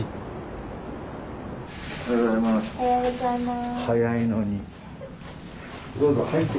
おはようございます。